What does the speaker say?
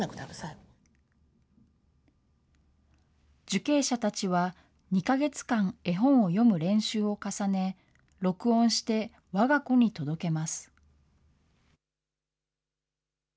受刑者たちは、２か月間、絵本を読む練習を重ね、録音して、わが子に届けます。